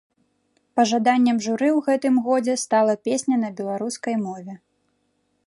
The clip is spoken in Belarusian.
Пажаданнем журы ў гэтым годзе стала песня на беларускай мове.